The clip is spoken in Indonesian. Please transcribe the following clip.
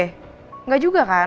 enggak juga kan